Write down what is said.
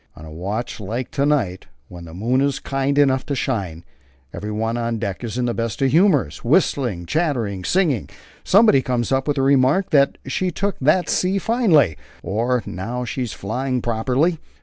On a watch like to night, when the moon is kind enough to shine, everyone on deck is in the best of humours, whistling, chattering, and singing. Somebody comes up with the remark that 'She took that sea finely,' or 'Now she's flying properly.'